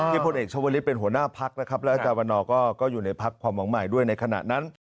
พลเอกชาวลิศเป็นหัวหน้าพักนะครับแล้วอาจารย์วันนอร์ก็อยู่ในพักความหวังใหม่ด้วยในขณะนั้น